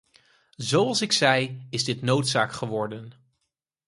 Zoals ik zei, is dit noodzaak geworden.